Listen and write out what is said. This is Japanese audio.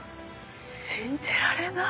信じられない。